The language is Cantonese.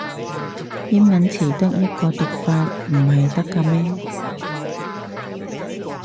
英文詞得一個讀法唔係得咖咩